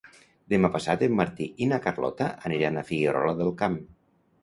Demà passat en Martí i na Carlota aniran a Figuerola del Camp.